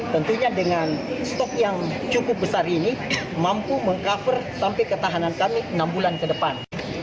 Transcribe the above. tentunya dengan stok yang cukup besar ini mampu meng cover sampai ketahanan kami enam bulan ke depan